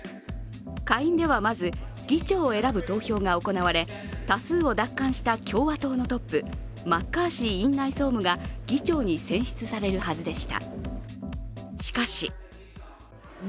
下院ではまず、議長を選ぶ投票が行われ多数を奪還した共和党のトップマッカーシー院内総務が議長に選出されるはずでした。